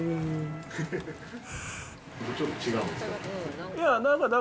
ちょっと違うんですか？